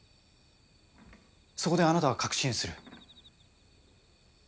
そこであなたは確信する。